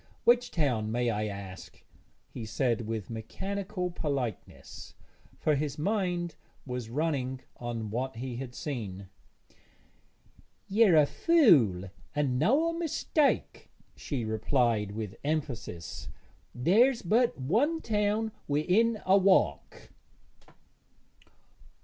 Which town, may I ask?' he said, with mechanical politeness, for his mind was running on what he had seen. 'Yer a fool and noä mistake,' she replied with emphasis. 'There's but one town wi'in a walk.'